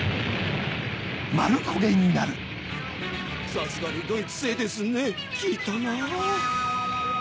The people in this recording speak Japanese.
さすがにドイツ製ですね効いたなぁ。